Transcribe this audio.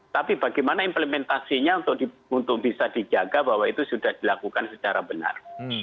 tapi bagaimana implementasinya untuk bisa dijaga bahwa itu sudah dilakukan secara benar